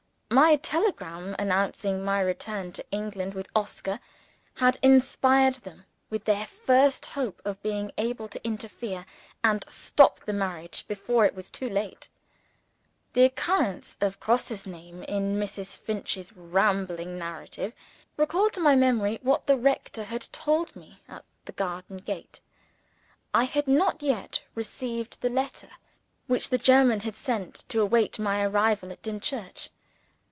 My telegram, announcing my return to England with Oscar, had inspired them with their first hope of being able to interfere, and stop the marriage before it was too late. The occurrence of Grosse's name in Mrs. Finch's rambling narrative, recalled to my memory what the rector had told me at the garden gate. I had not yet received the letter which the German had sent to wait my arrival at Dimchurch.